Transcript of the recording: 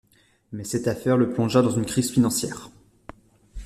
Mais cette affaire le plongea dans une crise financière.